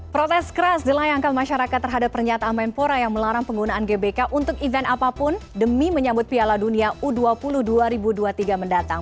protes keras dilayangkan masyarakat terhadap pernyataan menpora yang melarang penggunaan gbk untuk event apapun demi menyambut piala dunia u dua puluh dua ribu dua puluh tiga mendatang